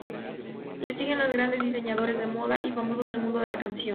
Les siguen los grandes diseñadores de moda y famosos del mundo de la canción.